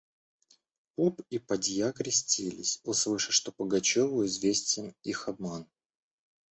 Поп и попадья крестились, услыша, что Пугачеву известен их обман.